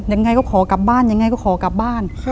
ยังไงก็ขอกลับบ้านยังไงก็ขอกลับบ้าน